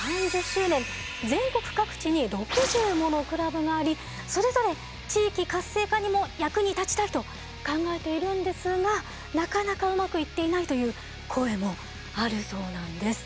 全国各地に６０ものクラブがありそれぞれ地域活性化にも役に立ちたいと考えているんですがなかなかうまくいっていないという声もあるそうなんです。